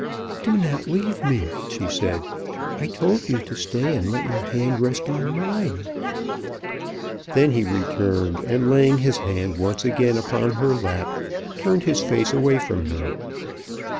"Do not leave me," she said. "I told you to stay and let your hand rest on mine." Then he returned, and laying his hand once again upon her lap turned his face away from her.